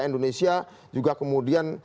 indonesia juga kemudian